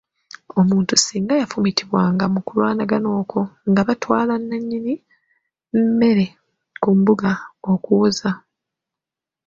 Omuntu singa yafumitiwanga mu kulwanagana okwo nga batwala nnannyini mmere ku mbuga okuwoza.